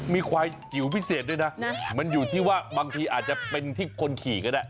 มีควายจิ๋วพิเศษด้วยนะมันอยู่ที่ว่าบางทีอาจจะเป็นที่คนขี่ก็ได้